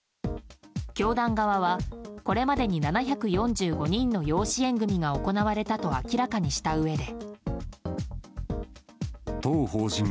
教団側はこれまでに７４５人の養子縁組が行われたと明らかにしたうえで。